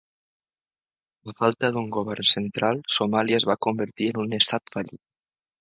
A falta d'un govern central, Somàlia es va convertir en un "Estat fallit".